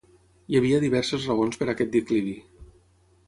Hi havia diverses raons per a aquest declivi.